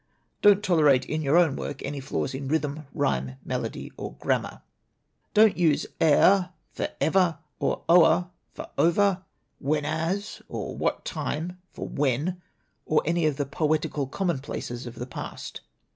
"Don't tolerate in your own work any flaws in rhythm, rhyme, melody, or grammar. "Don't use 'e'er' for 'ever/ 'o'er' for 'over,' 'whenas' or 'what time* for 'when/ or any of the 'poetical' commonplaces of the past.